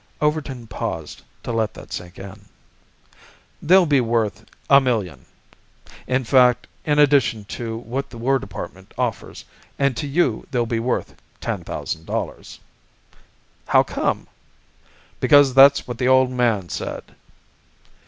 Overton paused, to let that sink in. "They'll be worth a million, in fact, in addition to what the War Department offers. And to you they'll be worth ten thousand dollars." "How come?" "Because that's what the Old Man said."